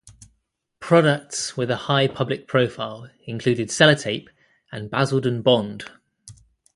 Products with a high public profile included Sellotape and Basildon Bond.